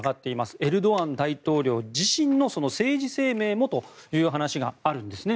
エルドアン大統領自身の政治生命もという話があるんですね。